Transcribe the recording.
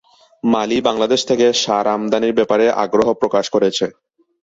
মালি বাংলাদেশ থেকে সার আমদানির ব্যাপারে আগ্রহ প্রকাশ করেছে।